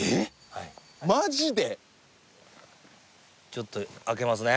ちょっと開けますね